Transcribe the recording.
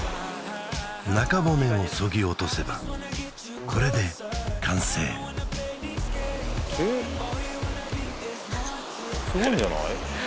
中骨をそぎ落とせばこれで完成すごいんじゃない？